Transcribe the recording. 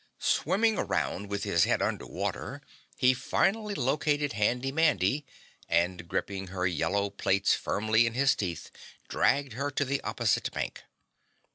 Swimming around with his head under water, he finally located Handy Mandy and gripping her yellow plaits firmly in his teeth, dragged her to the opposite bank.